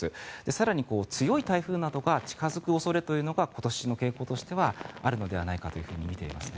更に、強い台風などが近付く恐れというのが今年の傾向としてはあるのではないかとみています。